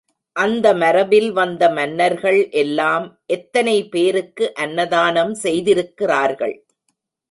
அந்த மரபில் வந்த மன்னர்கள் எல்லாம் எத்தனை பேருக்கு அன்னதானம் செய்திருக்கிறார்கள்!